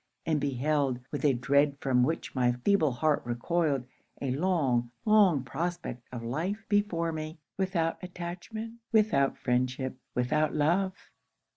and beheld, with a dread from which my feeble heart recoiled, a long, long prospect of life before me without attachment, without friendship, without love.